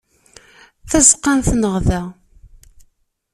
Tazeqqa n tneɣda.